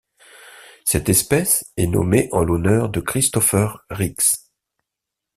Cette espèce est nommée en l'honneur de Christopher Rix.